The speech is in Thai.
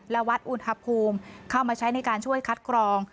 และวัดอุณหภูมิเข้ามาใช้ในการช่วยคัดกรอง